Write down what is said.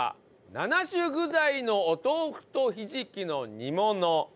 ７種具材のお豆腐とひじきの煮物何位ですか？